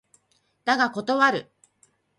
だが断る。